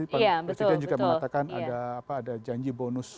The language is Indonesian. iya betul juga mengatakan ada apa ada janji bonus